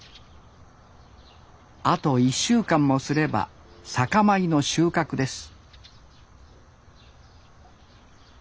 あと１週間もすれば酒米の収穫です